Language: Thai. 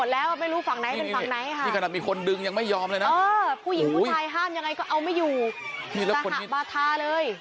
่แล้วคุณทายคุณทายห้ามยังไงก็เอาไม่อยู่ตหลักบาทาเลย